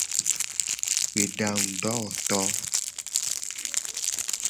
Gbedangudowoto.